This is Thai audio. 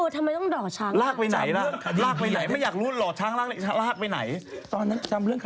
ทุกคนต้อง